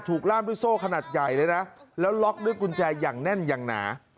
ล่ามด้วยโซ่ขนาดใหญ่เลยนะแล้วล็อกด้วยกุญแจอย่างแน่นอย่างหนา